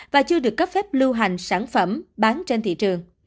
và chưa được cấp phép lưu hành sản phẩm bán trên thị trường